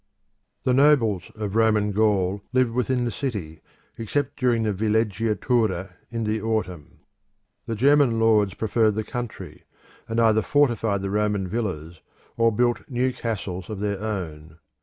The nobles of Roman Gaul lived within the city except during the villeggiatura in the autumn. The German lords preferred the country, and either fortified the Roman villas or built new castles of their own.